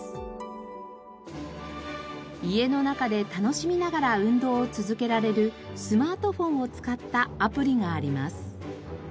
家の中で楽しみながら運動を続けられるスマートフォンを使ったアプリがあります。